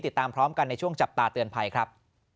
ติดตามพร้อมกันในช่วงจับตาเตือนภัยครับ